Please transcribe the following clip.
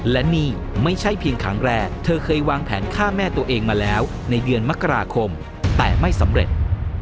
และนี่ไม่ใช่เพียงครั้งแรกเธอเคยวางแผนฆ่าแม่ตัวเองมาแล้วในเดือนมกราคมแต่ไม่สำเร็จ